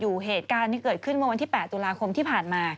เหตุการณ์ที่เกิดขึ้นเมื่อวันที่๘ตุลาคมที่ผ่านมา